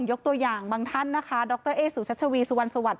ยกตัวอย่างบางท่านนะคะดรเอสุชัชวีสุวรรณสวัสด